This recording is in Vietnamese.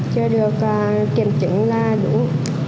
chưa được kiểm chứng là đúng